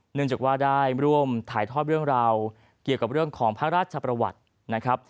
เนื่องจากว่าได้ร่วมถ่ายทอดเรื่องราวเกี่ยวกับเรื่องของพระราชประวัตินะครับ